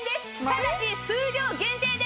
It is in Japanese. ただし数量限定です！